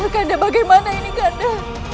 kanda bagaimana ini kanda